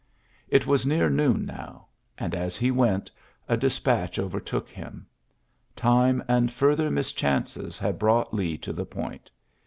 It was near noon now ; and^ as he went^ a despatch overtook him. Time and fur ther mischances had brought Lee to the point.